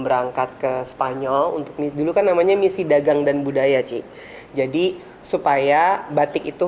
berangkat ke spanyol untuk nih dulu kan namanya misi dagang dan budaya cik jadi supaya batik itu